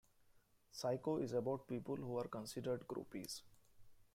"Psycho" is about people who are considered "groupies".